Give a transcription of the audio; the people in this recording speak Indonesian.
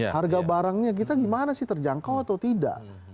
harga barangnya kita gimana sih terjangkau atau tidak